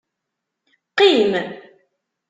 Qqim.